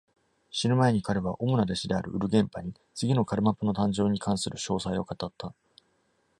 死ぬ前に、彼は主な弟子であるウルゲンパに、次のカルマパの誕生に関する詳細を語った。